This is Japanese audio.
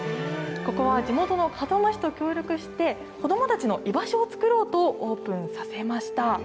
ここは地元の門真市と協力して、子どもたちの居場所を作ろうとオープンさせました。